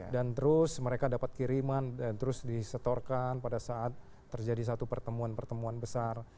dan terus mereka dapat kiriman terus disetorkan pada saat terjadi satu pertemuan pertemuan besar